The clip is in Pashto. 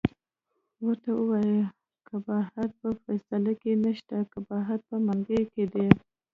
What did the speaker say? ورته ووایه قباحت په فیصله کې نشته، قباحت په منګي کې دی.